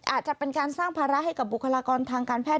อาจจะเป็นการสร้างภาระให้กับบุคลากรทางการแพท